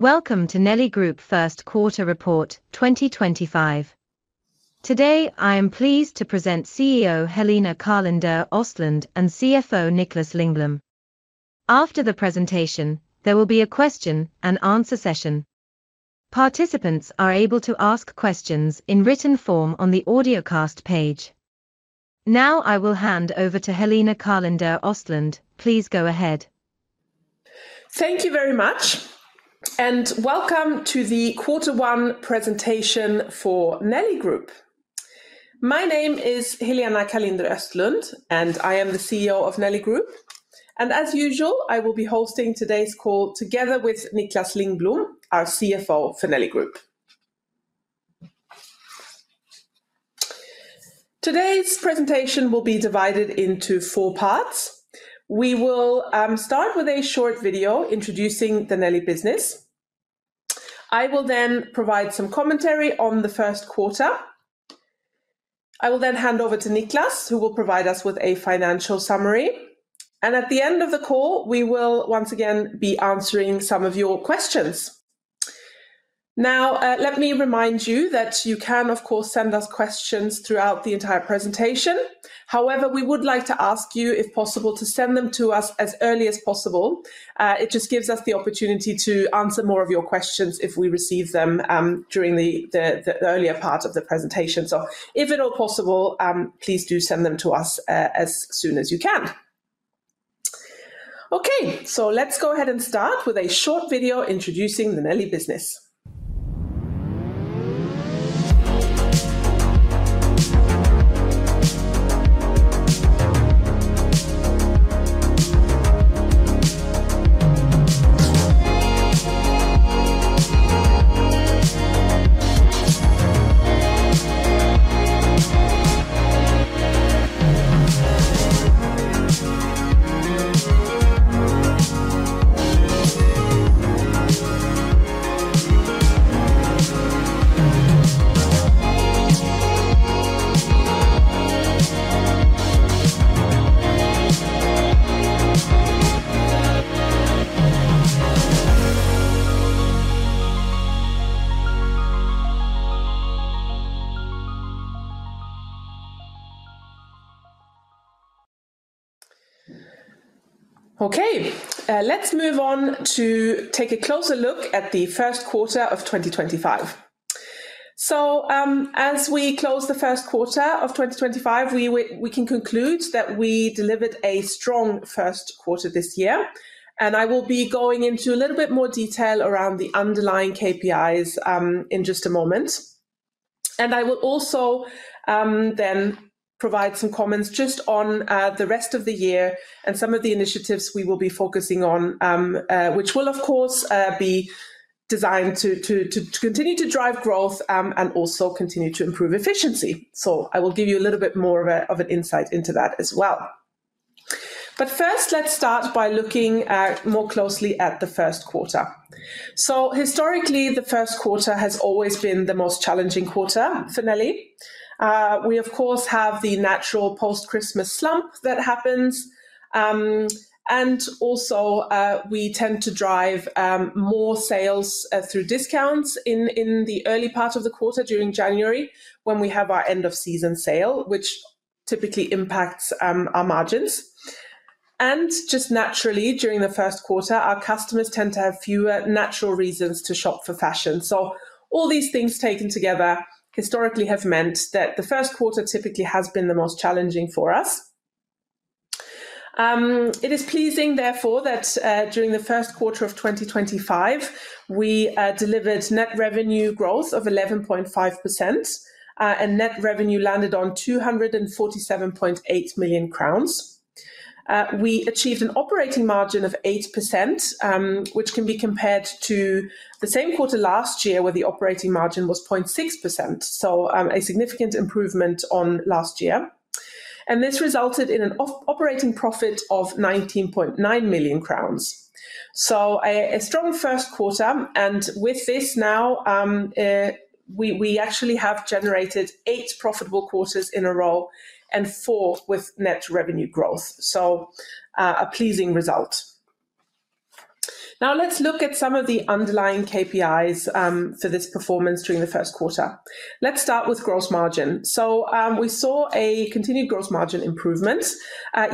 Welcome to Nelly Group First Quarter Report 2025. Today I am pleased to present CEO Helena Karlinder-Östlund and CFO Niklas Lingblom. After the presentation, there will be a question and answer session. Participants are able to ask questions in written form on the audio cast page. Now I will hand over to Helena Karlinder-Östlund. Please go ahead. Thank you very much, and welcome to the Quarter One presentation for Nelly Group. My name is Helena Karlinder-Östlund, and I am the CEO of Nelly Group. As usual, I will be hosting today's call together with Niklas Lingblom, our CFO for Nelly Group. Today's presentation will be divided into four parts. We will start with a short video introducing the Nelly business. I will then provide some commentary on the first quarter. I will then hand over to Niklas, who will provide us with a financial summary. At the end of the call, we will once again be answering some of your questions. Now, let me remind you that you can, of course, send us questions throughout the entire presentation. However, we would like to ask you, if possible, to send them to us as early as possible. It just gives us the opportunity to answer more of your questions if we receive them during the earlier part of the presentation. If at all possible, please do send them to us as soon as you can. Okay, let's go ahead and start with a short video introducing the Nelly business. Okay, let's move on to take a closer look at the first quarter of 2025. As we close the first quarter of 2025, we can conclude that we delivered a strong first quarter this year. I will be going into a little bit more detail around the underlying KPIs in just a moment. I will also then provide some comments just on the rest of the year and some of the initiatives we will be focusing on, which will, of course, be designed to continue to drive growth and also continue to improve efficiency. I will give you a little bit more of an insight into that as well. First, let's start by looking more closely at the first quarter. Historically, the first quarter has always been the most challenging quarter for Nelly. We, of course, have the natural post-Christmas slump that happens. Also, we tend to drive more sales through discounts in the early part of the quarter during January when we have our end-of-season sale, which typically impacts our margins. Just naturally, during the first quarter, our customers tend to have fewer natural reasons to shop for fashion. All these things taken together historically have meant that the first quarter typically has been the most challenging for us. It is pleasing, therefore, that during the first quarter of 2025, we delivered net revenue growth of 11.5%, and net revenue landed on 247.8 million crowns. We achieved an operating margin of 8%, which can be compared to the same quarter last year where the operating margin was 0.6%. A significant improvement on last year. This resulted in an operating profit of 19.9 million crowns. A strong first quarter. With this now, we actually have generated eight profitable quarters in a row and four with net revenue growth. A pleasing result. Now let's look at some of the underlying KPIs for this performance during the first quarter. Let's start with gross margin. We saw a continued gross margin improvement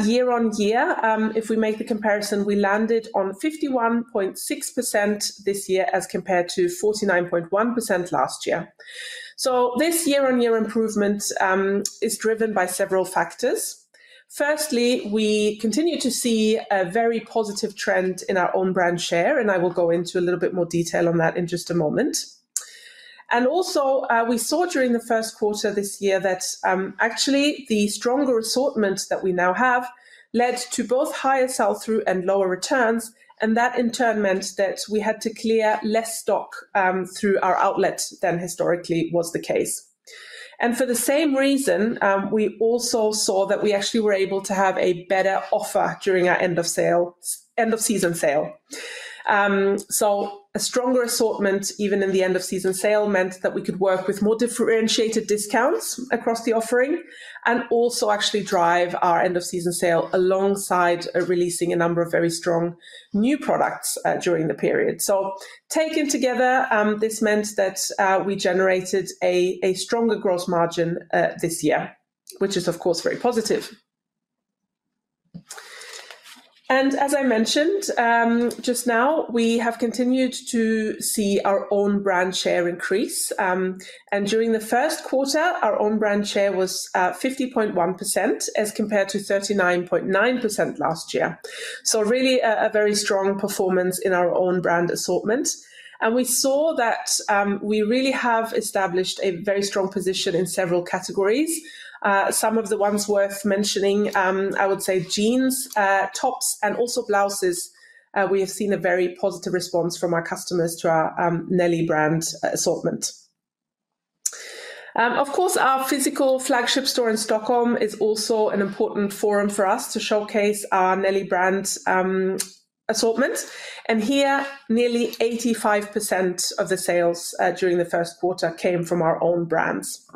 year on year. If we make the comparison, we landed on 51.6% this year as compared to 49.1% last year. This year-on-year improvement is driven by several factors. Firstly, we continue to see a very positive trend in our own brand share, and I will go into a little bit more detail on that in just a moment. We saw during the first quarter this year that actually the stronger assortment that we now have led to both higher sell-through and lower returns. That in turn meant that we had to clear less stock through our outlets than historically was the case. For the same reason, we also saw that we actually were able to have a better offer during our end-of-season sale. A stronger assortment, even in the end-of-season sale, meant that we could work with more differentiated discounts across the offering and also actually drive our end-of-season sale alongside releasing a number of very strong new products during the period. Taken together, this meant that we generated a stronger gross margin this year, which is, of course, very positive. As I mentioned just now, we have continued to see our own brand share increase. During the first quarter, our own brand share was 50.1% as compared to 39.9% last year. Really a very strong performance in our own brand assortment. We saw that we really have established a very strong position in several categories. Some of the ones worth mentioning, I would say jeans, tops, and also blouses, we have seen a very positive response from our customers to our Nelly brand assortment. Of course, our physical flagship store in Stockholm is also an important forum for us to showcase our Nelly brand assortment. Here, nearly 85% of the sales during the first quarter came from our own brands.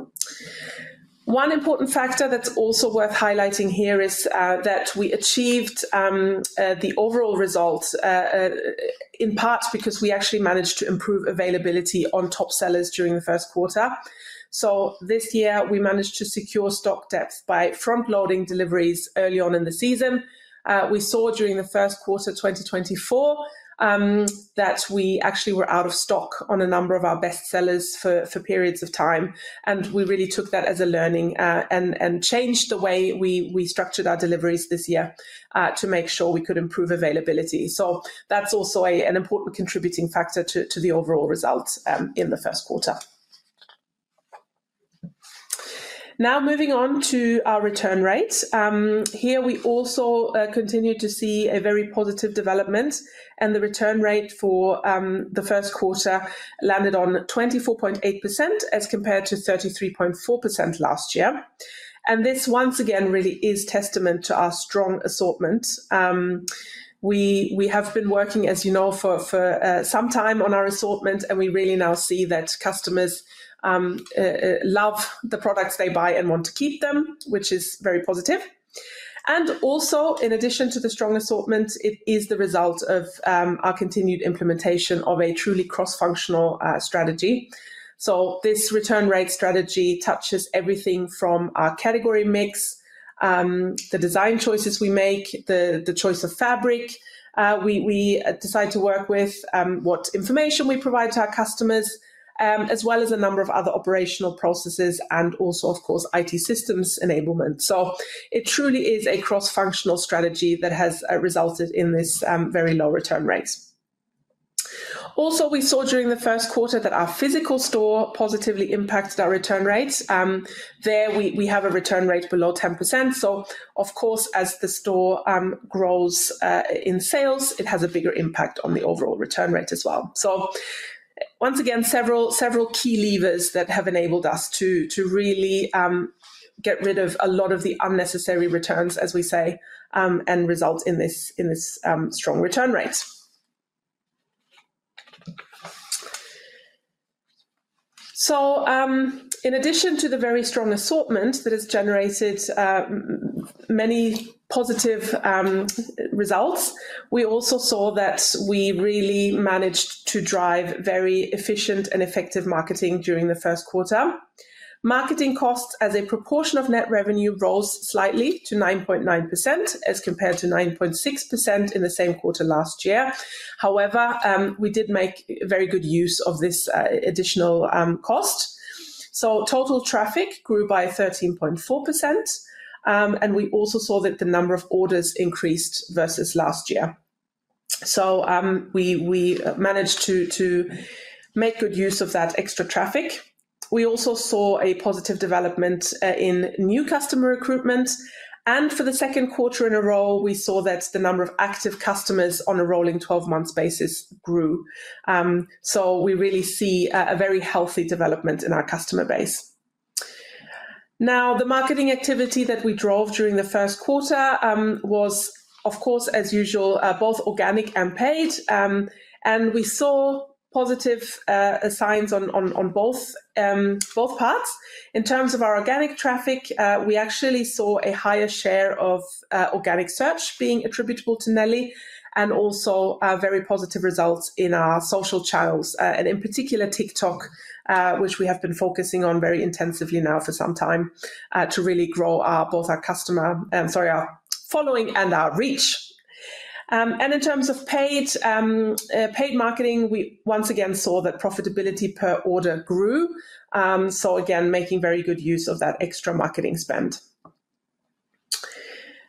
One important factor that's also worth highlighting here is that we achieved the overall result in part because we actually managed to improve availability on top sellers during the first quarter. This year, we managed to secure stock depth by front-loading deliveries early on in the season. We saw during the first quarter 2024 that we actually were out of stock on a number of our best sellers for periods of time. We really took that as a learning and changed the way we structured our deliveries this year to make sure we could improve availability. That is also an important contributing factor to the overall result in the first quarter. Now moving on to our return rates. Here, we also continue to see a very positive development. The return rate for the first quarter landed on 24.8% as compared to 33.4% last year. This once again really is testament to our strong assortment. We have been working, as you know, for some time on our assortment, and we really now see that customers love the products they buy and want to keep them, which is very positive. Also, in addition to the strong assortment, it is the result of our continued implementation of a truly cross-functional strategy. This return rate strategy touches everything from our category mix, the design choices we make, the choice of fabric we decide to work with, what information we provide to our customers, as well as a number of other operational processes and, of course, IT systems enablement. It truly is a cross-functional strategy that has resulted in this very low return rate. Also, we saw during the first quarter that our physical store positively impacted our return rates. There we have a return rate below 10%. Of course, as the store grows in sales, it has a bigger impact on the overall return rate as well. Once again, several key levers have enabled us to really get rid of a lot of the unnecessary returns, as we say, and result in this strong return rate. In addition to the very strong assortment that has generated many positive results, we also saw that we really managed to drive very efficient and effective marketing during the first quarter. Marketing costs as a proportion of net revenue rose slightly to 9.9% as compared to 9.6% in the same quarter last year. However, we did make very good use of this additional cost. Total traffic grew by 13.4%. We also saw that the number of orders increased versus last year. We managed to make good use of that extra traffic. We also saw a positive development in new customer recruitment. For the second quarter in a row, we saw that the number of active customers on a rolling 12-month basis grew. We really see a very healthy development in our customer base. The marketing activity that we drove during the first quarter was, of course, as usual, both organic and paid. We saw positive signs on both parts. In terms of our organic traffic, we actually saw a higher share of organic search being attributable to Nelly, and also very positive results in our social channels, in particular TikTok, which we have been focusing on very intensively now for some time to really grow both our customer and, sorry, our following and our reach. In terms of paid marketing, we once again saw that profitability per order grew. Again, making very good use of that extra marketing spend.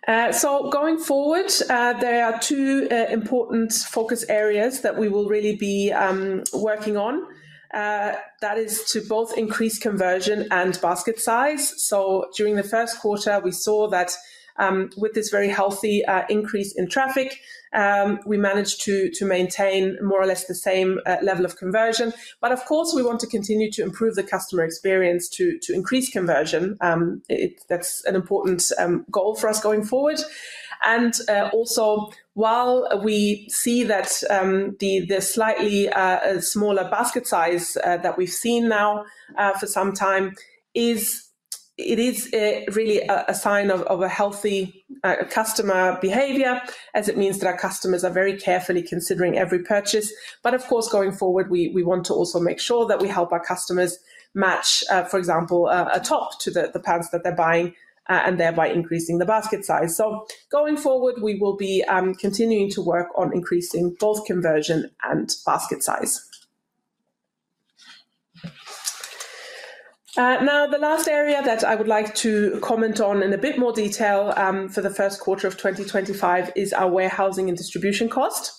Going forward, there are two important focus areas that we will really be working on. That is to both increase conversion and basket size. During the first quarter, we saw that with this very healthy increase in traffic, we managed to maintain more or less the same level of conversion. Of course, we want to continue to improve the customer experience to increase conversion. That's an important goal for us going forward. Also, while we see that the slightly smaller basket size that we've seen now for some time, it is really a sign of a healthy customer behavior, as it means that our customers are very carefully considering every purchase. Of course, going forward, we want to also make sure that we help our customers match, for example, a top to the pants that they're buying and thereby increasing the basket size. Going forward, we will be continuing to work on increasing both conversion and basket size. Now, the last area that I would like to comment on in a bit more detail for the first quarter of 2025 is our warehousing and distribution cost.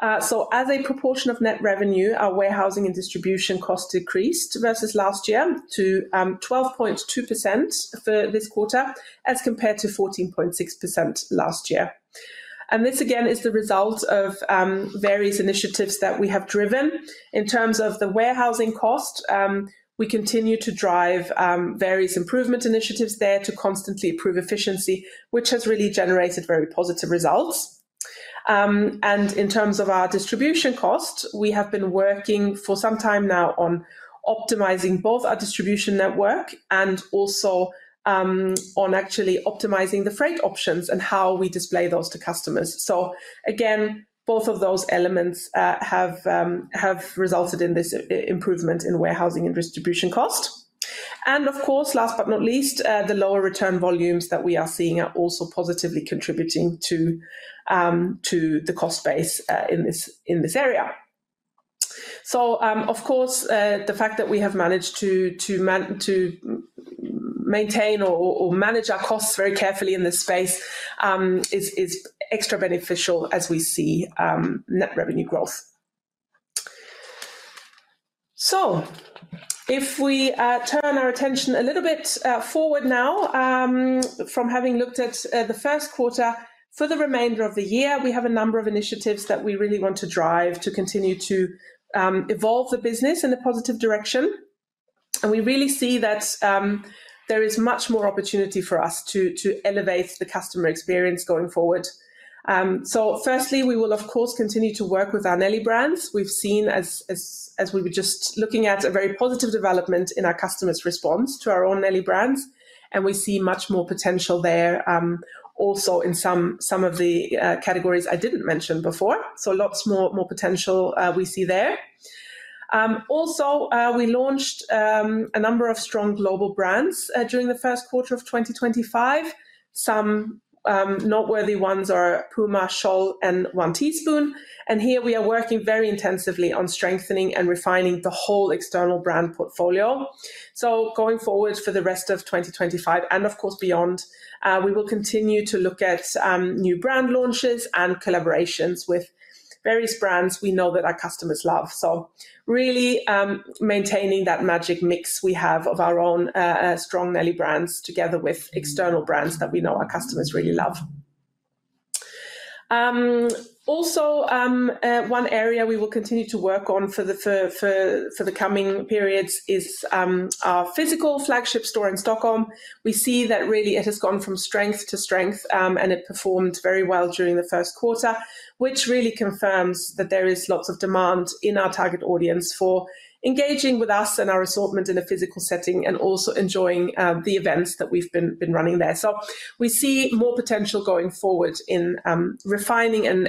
As a proportion of net revenue, our warehousing and distribution cost decreased versus last year to 12.2% for this quarter as compared to 14.6% last year. This again is the result of various initiatives that we have driven. In terms of the warehousing cost, we continue to drive various improvement initiatives there to constantly improve efficiency, which has really generated very positive results. In terms of our distribution cost, we have been working for some time now on optimizing both our distribution network and also on actually optimizing the freight options and how we display those to customers. Both of those elements have resulted in this improvement in warehousing and distribution cost. Of course, last but not least, the lower return volumes that we are seeing are also positively contributing to the cost base in this area. Of course, the fact that we have managed to maintain or manage our costs very carefully in this space is extra beneficial as we see net revenue growth. If we turn our attention a little bit forward now from having looked at the first quarter, for the remainder of the year, we have a number of initiatives that we really want to drive to continue to evolve the business in a positive direction. We really see that there is much more opportunity for us to elevate the customer experience going forward. Firstly, we will, of course, continue to work with our Nelly brands. We've seen, as we were just looking at, a very positive development in our customers' response to our own Nelly brands. We see much more potential there also in some of the categories I didn't mention before. is lots more potential we see there. Also, we launched a number of strong global brands during the first quarter of 2025. Some noteworthy ones are Puma, Shell, and One Teaspoon. Here we are working very intensively on strengthening and refining the whole external brand portfolio. Going forward for the rest of 2025 and, of course, beyond, we will continue to look at new brand launches and collaborations with various brands we know that our customers love. We are really maintaining that magic mix we have of our own strong Nelly brands together with external brands that we know our customers really love. Also, one area we will continue to work on for the coming periods is our physical flagship store in Stockholm. We see that really it has gone from strength to strength, and it performed very well during the first quarter, which really confirms that there is lots of demand in our target audience for engaging with us and our assortment in a physical setting and also enjoying the events that we've been running there. We see more potential going forward in refining and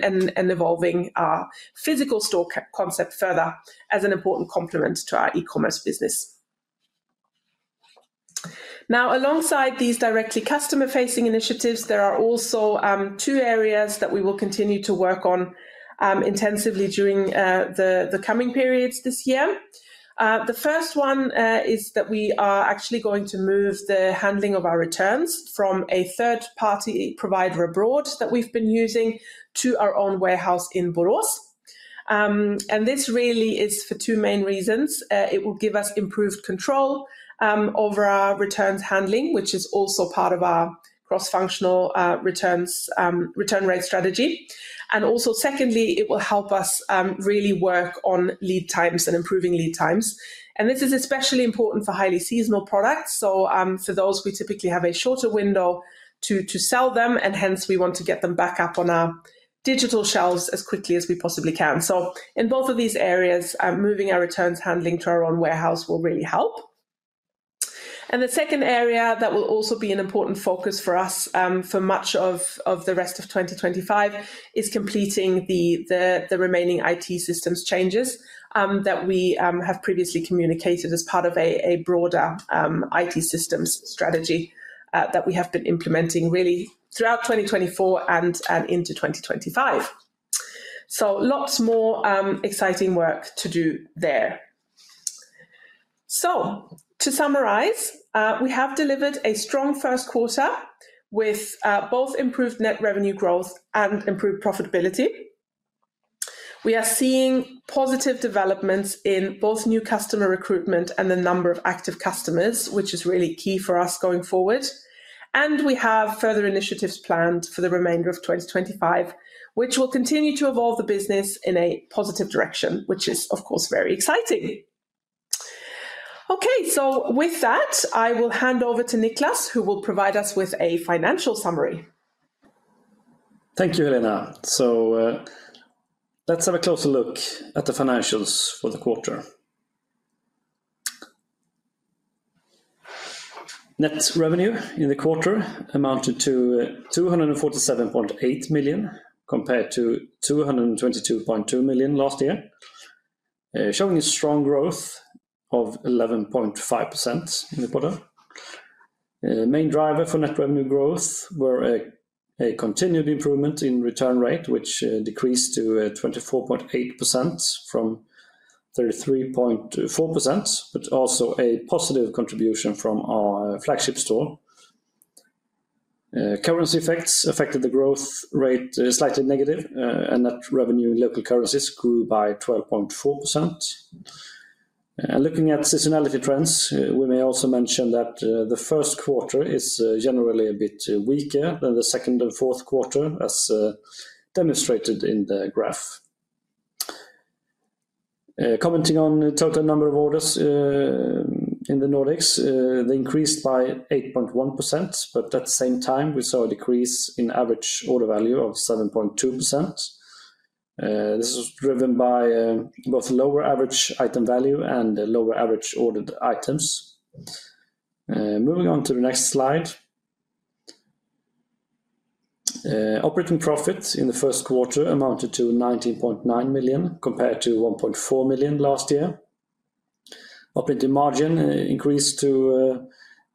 evolving our physical store concept further as an important complement to our e-commerce business. Now, alongside these directly customer-facing initiatives, there are also two areas that we will continue to work on intensively during the coming periods this year. The first one is that we are actually going to move the handling of our returns from a third-party provider abroad that we've been using to our own warehouse in Borås. This really is for two main reasons. It will give us improved control over our returns handling, which is also part of our cross-functional return rate strategy. It will help us really work on lead times and improving lead times. This is especially important for highly seasonal products. For those, we typically have a shorter window to sell them, and hence we want to get them back up on our digital shelves as quickly as we possibly can. In both of these areas, moving our returns handling to our own warehouse will really help. The second area that will also be an important focus for us for much of the rest of 2025 is completing the remaining IT systems changes that we have previously communicated as part of a broader IT systems strategy that we have been implementing really throughout 2024 and into 2025. Lots more exciting work to do there. To summarize, we have delivered a strong first quarter with both improved net revenue growth and improved profitability. We are seeing positive developments in both new customer recruitment and the number of active customers, which is really key for us going forward. We have further initiatives planned for the remainder of 2025, which will continue to evolve the business in a positive direction, which is, of course, very exciting. Okay, with that, I will hand over to Niklas, who will provide us with a financial summary. Thank you, Helena. Let's have a closer look at the financials for the quarter. Net revenue in the quarter amounted to 247.8 million compared to 222.2 million last year, showing a strong growth of 11.5% in the quarter. Main driver for net revenue growth were a continued improvement in return rate, which decreased to 24.8% from 33.4%, but also a positive contribution from our flagship store. Currency effects affected the growth rate slightly negative, and net revenue in local currencies grew by 12.4%. Looking at seasonality trends, we may also mention that the first quarter is generally a bit weaker than the second and fourth quarter, as demonstrated in the graph. Commenting on the total number of orders in the Nordics, they increased by 8.1%, but at the same time, we saw a decrease in average order value of 7.2%. This is driven by both lower average item value and lower average ordered items. Moving on to the next slide. Operating profit in the first quarter amounted to 19.9 million compared to 1.4 million last year. Operating margin increased to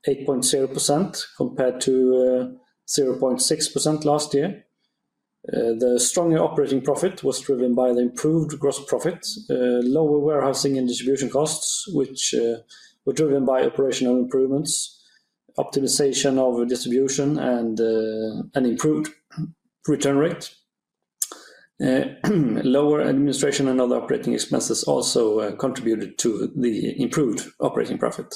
8.0% compared to 0.6% last year. The stronger operating profit was driven by the improved gross profit, lower warehousing and distribution costs, which were driven by operational improvements, optimization of distribution, and improved return rate. Lower administration and other operating expenses also contributed to the improved operating profit.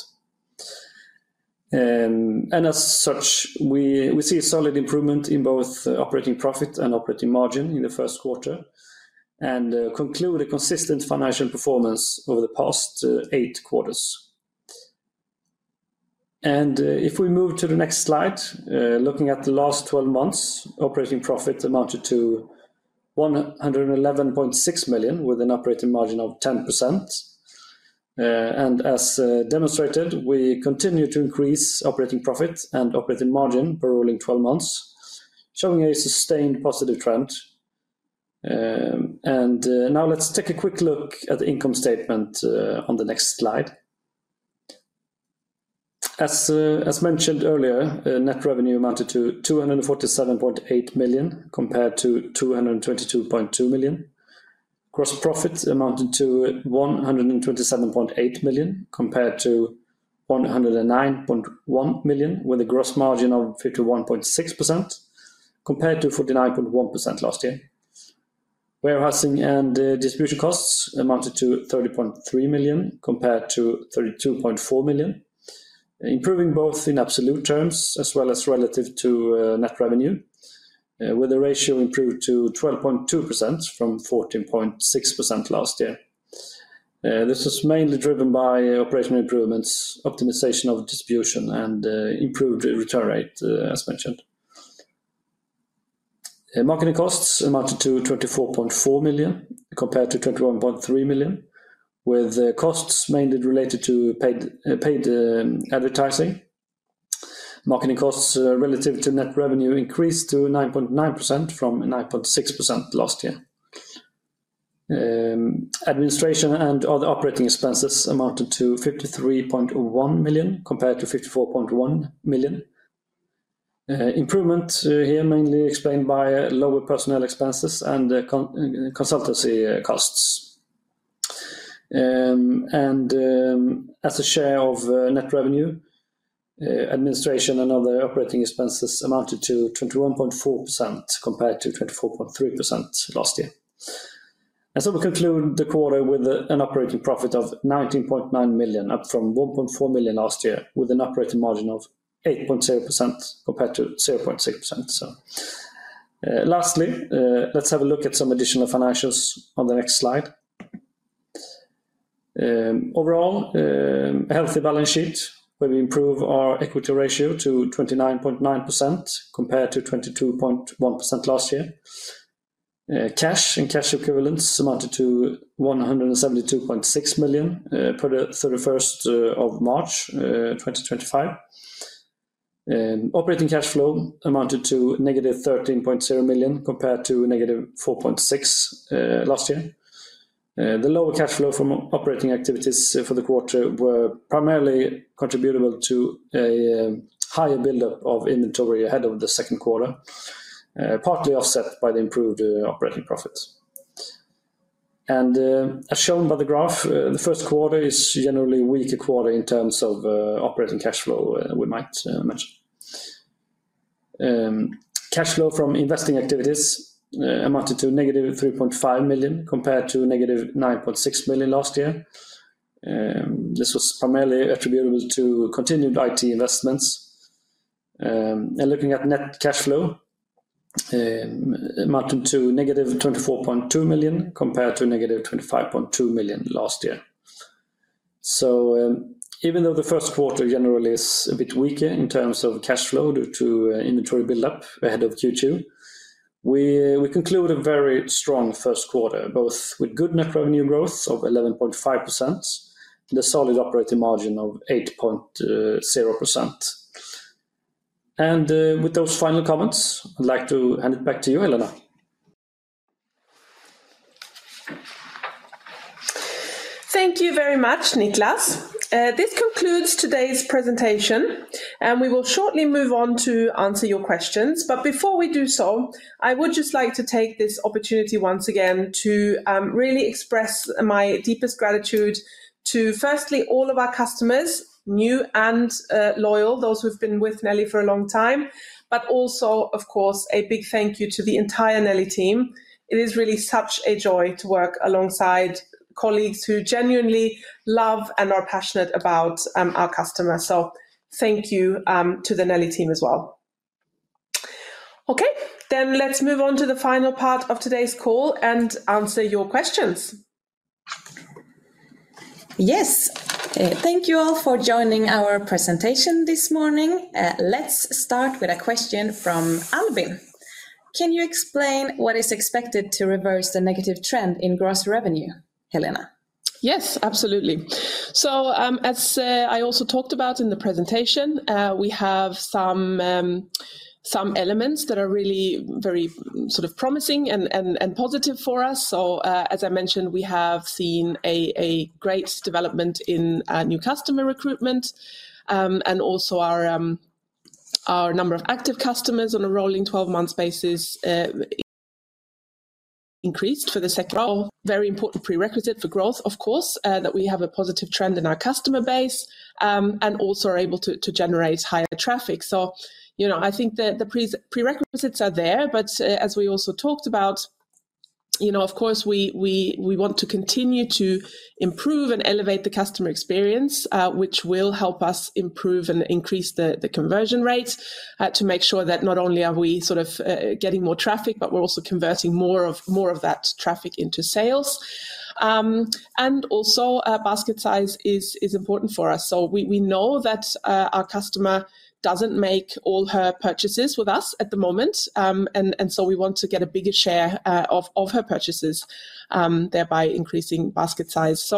As such, we see a solid improvement in both operating profit and operating margin in the first quarter and conclude a consistent financial performance over the past eight quarters. If we move to the next slide, looking at the last 12 months, operating profit amounted to 111.6 million with an operating margin of 10%. As demonstrated, we continue to increase operating profit and operating margin for rolling 12 months, showing a sustained positive trend. Now let's take a quick look at the income statement on the next slide. As mentioned earlier, net revenue amounted to 247.8 million compared to 222.2 million. Gross profit amounted to 127.8 million compared to 109.1 million, with a gross margin of 51.6% compared to 49.1% last year. Warehousing and distribution costs amounted to 30.3 million compared to 32.4 million, improving both in absolute terms as well as relative to net revenue, with a ratio improved to 12.2% from 14.6% last year. This was mainly driven by operational improvements, optimization of distribution, and improved return rate, as mentioned. Marketing costs amounted to 24.4 million compared to 21.3 million, with costs mainly related to paid advertising. Marketing costs relative to net revenue increased to 9.9% from 9.6% last year. Administration and other operating expenses amounted to 53.1 million compared to 54.1 million. Improvement here mainly explained by lower personnel expenses and consultancy costs. As a share of net revenue, administration and other operating expenses amounted to 21.4% compared to 24.3% last year. We conclude the quarter with an operating profit of 19.9 million, up from 1.4 million last year, with an operating margin of 8.0% compared to 0.6%. Lastly, let's have a look at some additional financials on the next slide. Overall, a healthy balance sheet where we improve our equity ratio to 29.9% compared to 22.1% last year. Cash and cash equivalents amounted to 172.6 million for the 31st of March 2025. Operating cash flow amounted to negative 13.0 million compared to negative 4.6 million last year. The lower cash flow from operating activities for the quarter was primarily attributable to a higher build-up of inventory ahead of the second quarter, partly offset by the improved operating profits. As shown by the graph, the first quarter is generally a weaker quarter in terms of operating cash flow, we might mention. Cash flow from investing activities amounted to -3.5 million compared to -9.6 million last year. This was primarily attributable to continued IT investments. Looking at net cash flow, it amounted to -24.2 million compared to -25.2 million last year. Even though the first quarter generally is a bit weaker in terms of cash flow due to inventory build-up ahead of Q2, we conclude a very strong first quarter, both with good net revenue growth of 11.5% and a solid operating margin of 8.0%. With those final comments, I'd like to hand it back to you, Helena. Thank you very much, Niklas. This concludes today's presentation, and we will shortly move on to answer your questions. Before we do so, I would just like to take this opportunity once again to really express my deepest gratitude to, firstly, all of our customers, new and loyal, those who have been with Nelly for a long time, but also, of course, a big thank you to the entire Nelly team. It is really such a joy to work alongside colleagues who genuinely love and are passionate about our customers. Thank you to the Nelly team as well. Okay, then let's move on to the final part of today's call and answer your questions. Yes, thank you all for joining our presentation this morning. Let's start with a question from Albin. Can you explain what is expected to reverse the negative trend in gross revenue, Helena? Yes, absolutely. As I also talked about in the presentation, we have some elements that are really very sort of promising and positive for us. As I mentioned, we have seen a great development in new customer recruitment and also our number of active customers on a rolling 12-month basis increased for the second. These are very important prerequisites for growth, of course, that we have a positive trend in our customer base and also are able to generate higher traffic. You know, I think the prerequisites are there, but as we also talked about, you know, of course, we want to continue to improve and elevate the customer experience, which will help us improve and increase the conversion rates to make sure that not only are we sort of getting more traffic, but we're also converting more of that traffic into sales. Also, basket size is important for us. We know that our customer doesn't make all her purchases with us at the moment, and we want to get a bigger share of her purchases, thereby increasing basket size.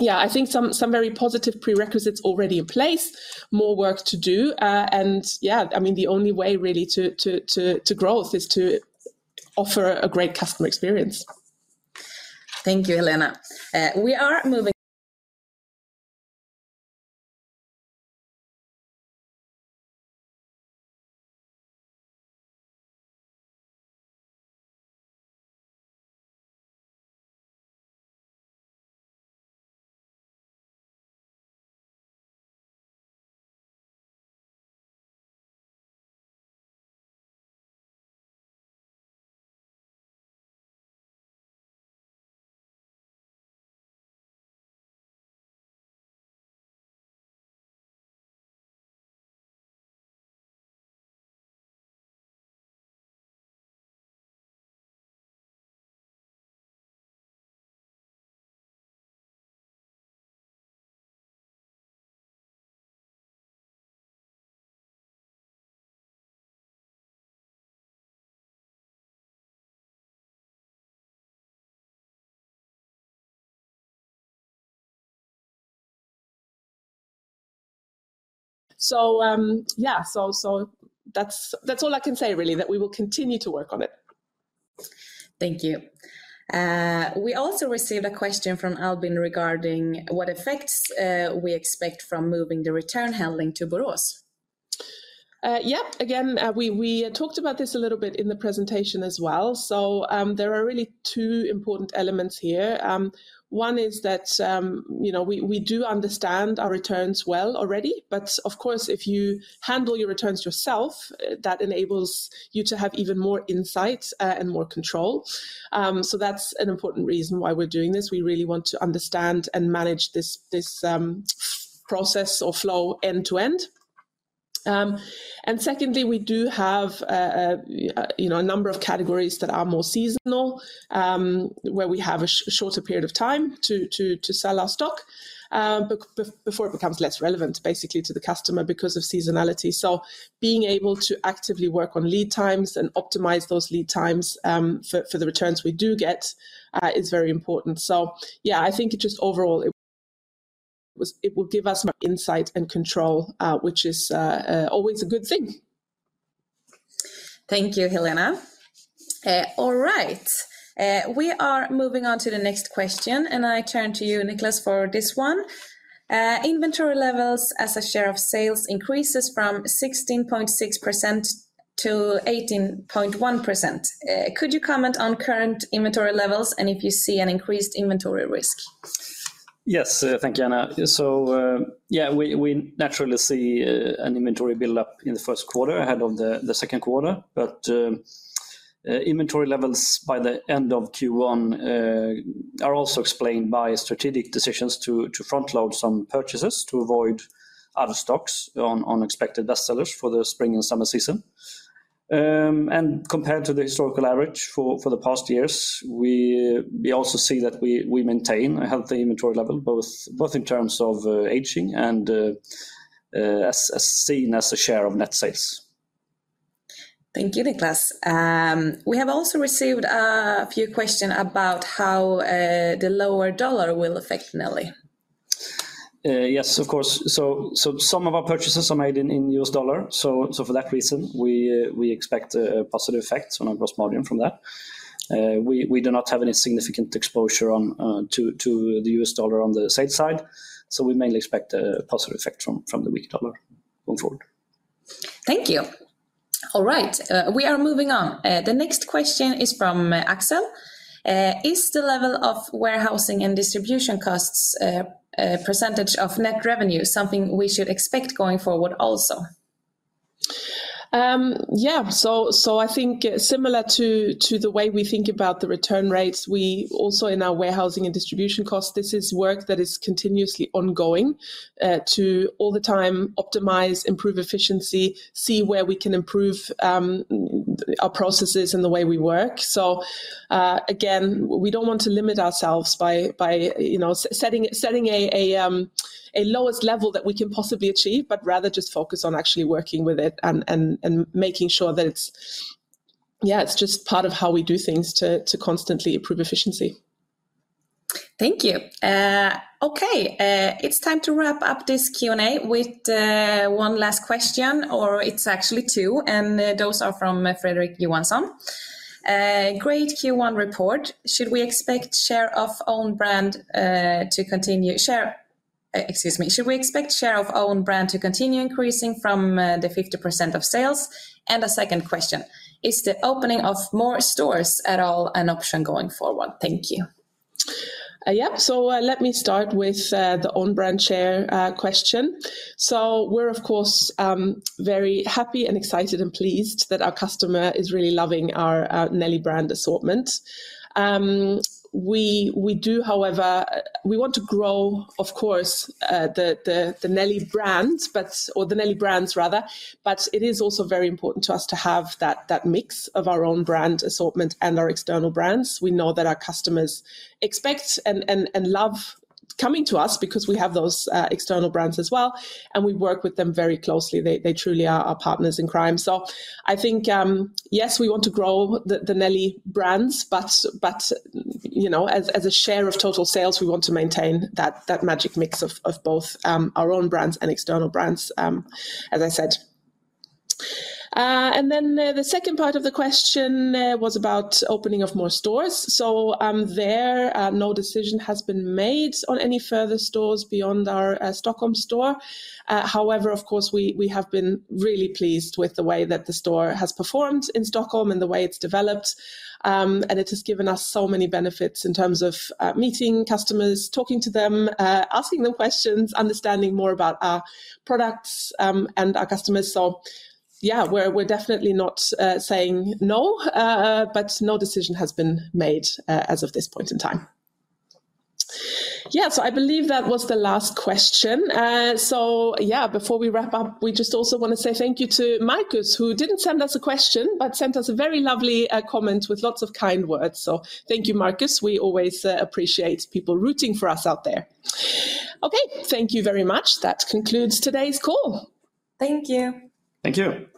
Yeah, I think some very positive prerequisites are already in place, more work to do, and I mean, the only way really to grow is to offer a great customer experience. Thank you, Helena. We are moving. Yeah, that's all I can say, really, that we will continue to work on it. Thank you. We also received a question from Albin regarding what effects we expect from moving the return handling to Borås. Yep, again, we talked about this a little bit in the presentation as well. There are really two important elements here. One is that, you know, we do understand our returns well already, but of course, if you handle your returns yourself, that enables you to have even more insights and more control. That is an important reason why we're doing this. We really want to understand and manage this process or flow end to end. Secondly, we do have, you know, a number of categories that are more seasonal, where we have a shorter period of time to sell our stock before it becomes less relevant, basically, to the customer because of seasonality. Being able to actively work on lead times and optimize those lead times for the returns we do get is very important. Yeah, I think it just overall, it will give us more insight and control, which is always a good thing. Thank you, Helena. All right, we are moving on to the next question, and I turn to you, Niklas, for this one. Inventory levels as a share of sales increases from 16.6% to 18.1%. Could you comment on current inventory levels and if you see an increased inventory risk? Yes, thank you, Anna. Yeah, we naturally see an inventory build-up in the first quarter ahead of the second quarter, but inventory levels by the end of Q1 are also explained by strategic decisions to front-load some purchases to avoid other stocks on expected best sellers for the spring and summer season. Compared to the historical average for the past years, we also see that we maintain a healthy inventory level, both in terms of aging and as seen as a share of net sales. Thank you, Niklas. We have also received a few questions about how the lower dollar will affect Nelly. Yes, of course. Some of our purchases are made in US dollar, so for that reason, we expect a positive effect on our gross margin from that. We do not have any significant exposure to the US dollar on the sales side, so we mainly expect a positive effect from the weak dollar going forward. Thank you. All right, we are moving on. The next question is from Axel. Is the level of warehousing and distribution costs percentage of net revenue something we should expect going forward also? Yeah, I think similar to the way we think about the return rates, we also in our warehousing and distribution costs, this is work that is continuously ongoing to all the time optimize, improve efficiency, see where we can improve our processes and the way we work. Again, we don't want to limit ourselves by setting a lowest level that we can possibly achieve, but rather just focus on actually working with it and making sure that it's, yeah, it's just part of how we do things to constantly improve efficiency. Thank you. Okay, it's time to wrap up this Q&A with one last question, or it's actually two, and those are from Frederik Jørgensen. Great Q1 report. Should we expect share of own brand to continue? Share, excuse me. Should we expect share of own brand to continue increasing from the 50% of sales? A second question. Is the opening of more stores at all an option going forward? Thank you. Let me start with the own brand share question. We are, of course, very happy and excited and pleased that our customer is really loving our Nelly brand assortment. We do, however, want to grow, of course, the Nelly brands, but it is also very important to us to have that mix of our own brand assortment and our external brands. We know that our customers expect and love coming to us because we have those external brands as well, and we work with them very closely. They truly are our partners in crime. I think, yes, we want to grow the Nelly brands, but, you know, as a share of total sales, we want to maintain that magic mix of both our own brands and external brands, as I said. The second part of the question was about opening of more stores. There, no decision has been made on any further stores beyond our Stockholm store. However, of course, we have been really pleased with the way that the store has performed in Stockholm and the way it's developed. It has given us so many benefits in terms of meeting customers, talking to them, asking them questions, understanding more about our products and our customers. Yeah, we're definitely not saying no, but no decision has been made as of this point in time. I believe that was the last question. Yeah, before we wrap up, we just also want to say thank you to Markus, who did not send us a question but sent us a very lovely comment with lots of kind words. Thank you, Markus. We always appreciate people rooting for us out there. Okay, thank you very much. That concludes today's call. Thank you. Thank you.